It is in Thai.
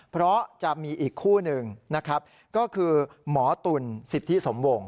เพราะจะมีอีกคู่หนึ่งนะครับก็คือหมอตุ๋นสิทธิสมวง